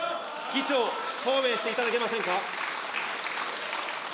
議長、答弁していただけませんか。